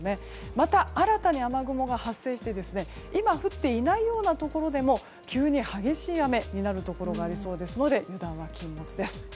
また、新たに雨雲が発生して今降っていないようなところでも急に激しい雨になるところがありそうですので油断は禁物です。